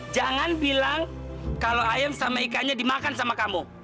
jangan bilang kalau ayam sama ikannya dimakan sama kamu